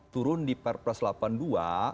turun di per plus delapan puluh dua